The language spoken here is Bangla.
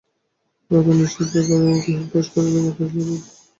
রতন নিঃশব্দে গৃহে প্রবেশ করিল এবং আদেশপ্রতীক্ষায় একবার নীরবে প্রভুর মুখের দিকে চাহিল।